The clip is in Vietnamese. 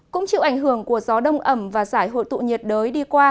cũng chịu ảnh hưởng của gió đông ẩm và giải hội tụ nhiệt đới đi qua